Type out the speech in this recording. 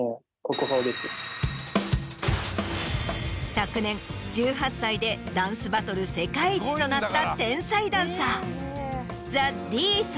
昨年１８歳でダンスバトル世界一となった。